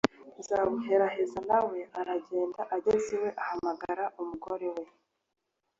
nzabuheraheza nawe aragenda ageze iwe ahamagara umugore we